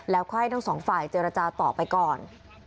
แล้วค่อยทั้งสองฝ่ายเจรจาต่อไปก่อน